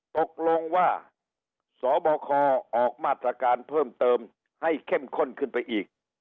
ตกลงว่าสบคออกมาตรการเพิ่มเติมให้เข้มข้นขึ้นไปอีก